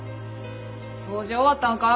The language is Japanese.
掃除終わったんか？